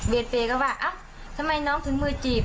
เวรเปรย์ก็ว่าทำไมน้องถึงมือจีบ